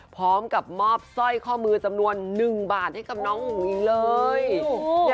พร้อมกับมอบสร้อยข้อมือจำนวน๑บาทให้กับน้องอุ้งอิงเลย